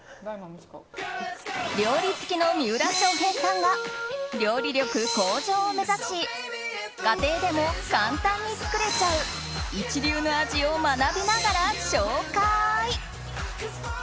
料理好きの三浦翔平さんが料理力向上を目指し家庭でも簡単に作れちゃう一流の味を学びながら紹介。